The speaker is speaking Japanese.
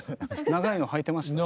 長いのはいてました？